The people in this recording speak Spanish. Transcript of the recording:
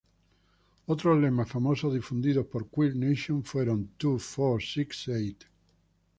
Otros lemas famosos difundidos por "Queer Nation" fueron: ""Two, Four, Six, Eight!